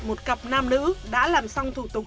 một cặp nam nữ đã làm xong thủ tục